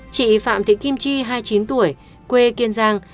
chị phạm thị kim chi hai mươi chín tuổi quê kiên giang